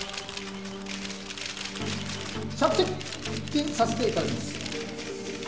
着席させていただきます。